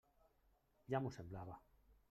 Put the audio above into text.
Ja m'ho semblava.